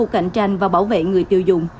cảnh tranh và bảo vệ người tiêu dùng